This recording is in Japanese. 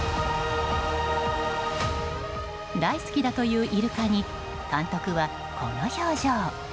大好きだというイルカに監督は、この表情。